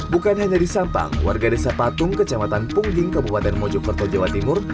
bukan hanya di sampang warga desa patung kecamatan pungging kabupaten mojokerto jawa timur